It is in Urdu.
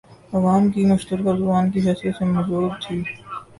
عوام کی مشترکہ زبان کی حیثیت سے موجود تھی